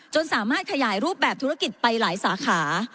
สามารถขยายรูปแบบธุรกิจไปหลายสาขา